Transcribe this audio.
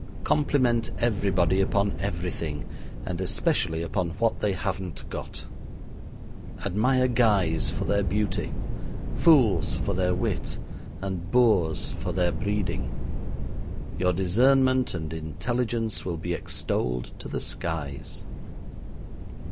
Compliment everybody upon everything, and especially upon what they haven't got. Admire guys for their beauty, fools for their wit, and boors for their breeding. Your discernment and intelligence will be extolled to the skies.